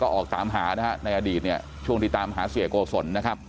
ออกตามหานะฮะในอดีตเนี่ยช่วงที่ตามหาเสียโกศลนะครับ